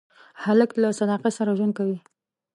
هلک له صداقت سره ژوند کوي.